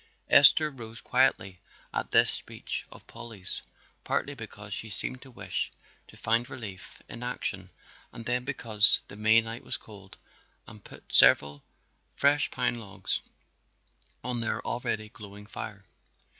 Esther rose quietly at this speech of Polly's, partly because she seemed to wish to find relief in action and then because the May night was cold, and put several fresh pine logs on their already glowing fire.